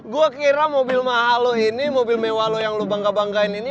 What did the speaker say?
gue kira mobil mahal lu ini mobil mewah lu yang lu bangga banggain ini